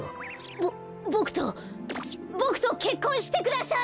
ボボクとボクとけっこんしてください！